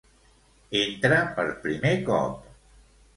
Entra per primer cop.